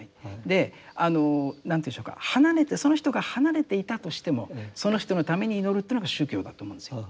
であの何ていうんでしょうかその人が離れていたとしてもその人のために祈るというのが宗教だと思うんですよ。